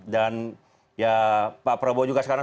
dan ya pak prabowo juga sekarang